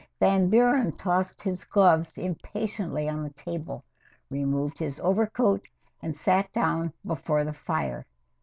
I Van Buren tossed his gloves impatiently on the table, removed his overcoat, and sat down before the fire.